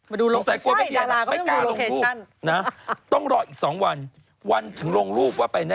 มือมาดูอะไรนะ